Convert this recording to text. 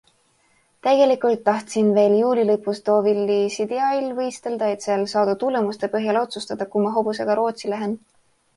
Tegelikult tahtsin veel juuli lõpus Deauville'i CDI'l võistelda, et seal saadud tulemuste põhjal otsustada, kumma hobusega Rootsi lähen.